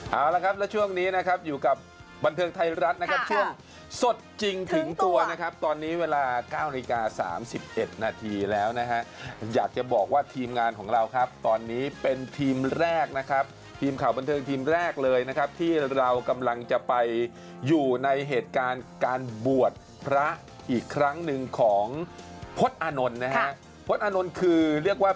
เอาละครับแล้วช่วงนี้นะครับอยู่กับบันเทิงไทยรัฐนะครับช่วงสดจริงถึงตัวนะครับตอนนี้เวลา๙นาฬิกา๓๑นาทีแล้วนะฮะอยากจะบอกว่าทีมงานของเราครับตอนนี้เป็นทีมแรกนะครับทีมข่าวบันเทิงทีมแรกเลยนะครับที่เรากำลังจะไปอยู่ในเหตุการณ์การบวชพระอีกครั้งหนึ่งของพจน์อานนท์นะฮะพจน์อานนท์คือเรียกว่า